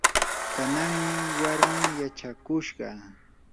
kananmi warmii wachakushqa.